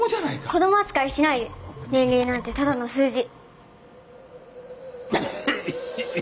子供扱いしないで年齢なんてただの数字。